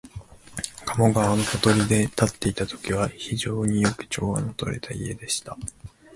加茂川のほとりに建っていたときは、非常によく調和のとれた家でした